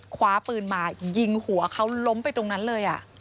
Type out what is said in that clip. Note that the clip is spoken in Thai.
คว้าปืนมายิงหัวเขาล้มไปตรงนั้นเลย